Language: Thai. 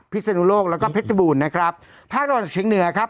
ศนุโลกแล้วก็เพชรบูรณ์นะครับภาคตะวันออกเฉียงเหนือครับ